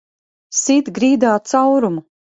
Sit grīdā caurumu!